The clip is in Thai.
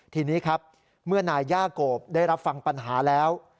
ทีนี้ครับเมื่อนายย่าโกบได้รับฟังปัญหาแล้ว